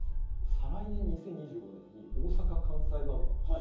再来年２０２５年に大阪・関西万博